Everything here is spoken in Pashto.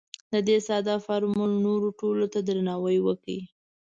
د دې ساده فورمول نورو ټولو ته درناوی وکړئ.